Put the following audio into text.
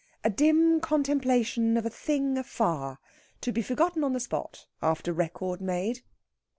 A dim contemplation of a thing afar to be forgotten on the spot, after record made.